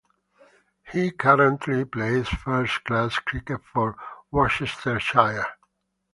He currently plays first class cricket for Worcestershire.